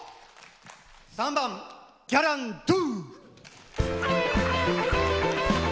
３番「ギャランドゥ」。